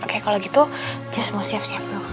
oke kalau gitu saya jelas mau siap siap dulu ke kamarnya